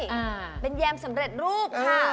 อ่าเป็นแยมสำเร็จรูปค่ะ